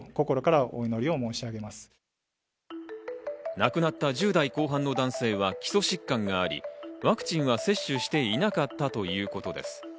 亡くなった１０代後半の男性は基礎疾患があり、ワクチンは接種していなかったということです。